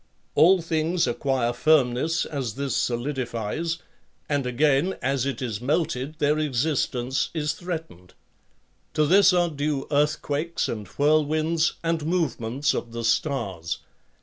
All things acquire firmness as this solidifies, and again as it is melted their existence is threatened; to this are due earthquakes and whirlwinds and movements of the stars.